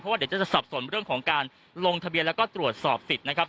ว่าเดี๋ยวจะสับสนเรื่องของการลงทะเบียนแล้วก็ตรวจสอบสิทธิ์นะครับ